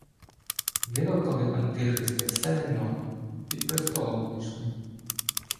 — Вилакали, антихристи, все вино — під престолом знайшли.